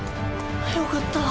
よかった。